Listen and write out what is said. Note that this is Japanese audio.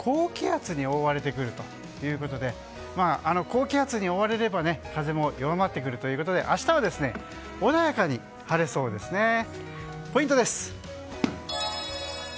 明日は高気圧に覆われてくるということで高気圧に覆われれば風も弱まってくるということで明日は穏やかに晴れそうですね。